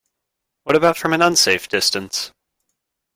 What about from an unsafe distance?